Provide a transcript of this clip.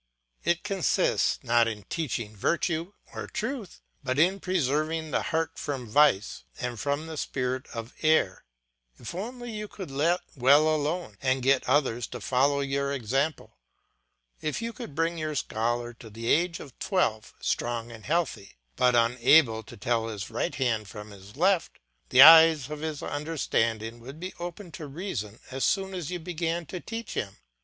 It consists, not in teaching virtue or truth, but in preserving the heart from vice and from the spirit of error. If only you could let well alone, and get others to follow your example; if you could bring your scholar to the age of twelve strong and healthy, but unable to tell his right hand from his left, the eyes of his understanding would be open to reason as soon as you began to teach him.